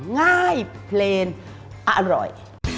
ง่ายเพลงอร่อย